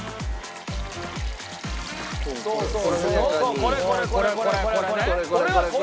これこれこれこれ！